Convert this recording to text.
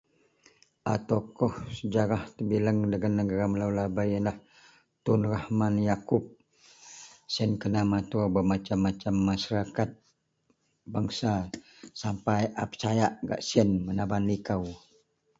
A tokoh sejarah terbileng dagen negara melou lahabei yenlah Tun Rahman Yaakub. Siyen kena matur bermasem-masem masarakat bangsa sapai a pesayak gak siyen menaban likou